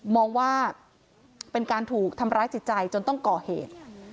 มองว่าเป็นการถูกทำร้ายจิตใจจนต้องก่อเหตุ